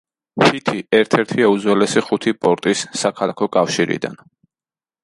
ჰითი ერთ-ერთია უძველესი ხუთი პორტის საქალაქო კავშირიდან.